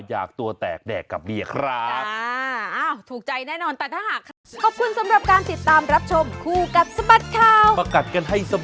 อยากตัวแตกแดกกับเมียครับ